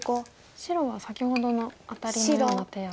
白は先ほどのアタリのような手は。